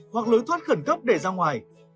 hoặc lối thoát khẩn cấp để ra ngoài